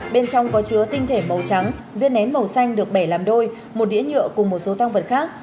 bên trong có chứa tinh thể màu trắng viên nén màu xanh được bẻ làm đôi một đĩa nhựa cùng một số tăng vật khác